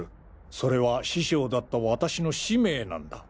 それは師匠だった私の使命なんだ！